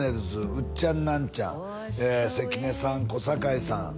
ウッチャンナンチャン関根さん小堺さん